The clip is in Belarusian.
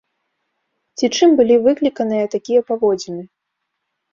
Ці чым былі выкліканыя такія паводзіны?